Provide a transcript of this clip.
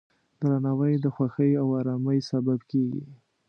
درناوی د خوښۍ او ارامۍ سبب کېږي.